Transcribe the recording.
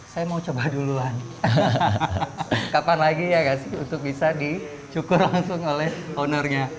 saya mau coba duluan kapan lagi ya kasih untuk bisa dicukur langsung oleh honornya